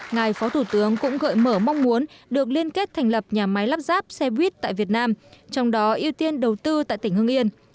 ngài phó thủ tướng cũng gợi mở mong muốn được liên kết thành lập nhà máy lắp ráp xe buýt tại việt nam trong đó ưu tiên đầu tư tại tỉnh hưng yên